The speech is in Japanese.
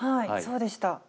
はいそうでした。